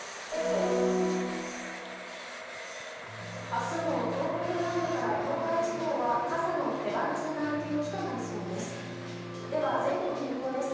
明日も東北南部から東海地方は傘の手放せない天気となりそうです。